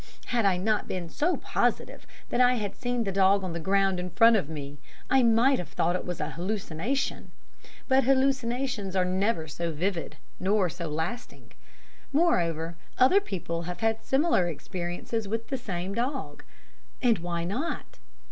Had I not been so positive I had seen the dog on the ground in front of me, I might have thought it was an hallucination; but hallucinations are never so vivid nor so lasting moreover, other people have had similar experiences with the same dog. And why not?